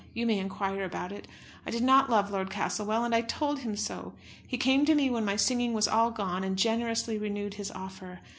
You may inquire about it. I did not love Lord Castlewell, and I told him so. He came to me when my singing was all gone, and generously renewed his offer.